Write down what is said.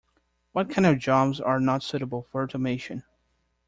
What kind of jobs are not suitable for automation?